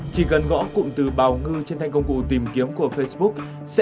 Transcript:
chỉ cần gõ cụm từ bảo ngư trên thanh công cụ tìm kiếm của facebook